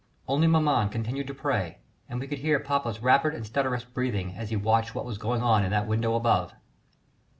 Only maman continued to pray, and we could hear papa's rapid and stertorous breathing as he watched what was going on in that window above.